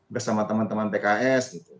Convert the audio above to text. bersama teman teman tks